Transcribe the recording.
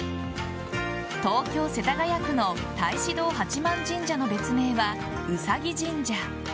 東京・世田谷区の太子堂八幡神社の別名はウサギ神社。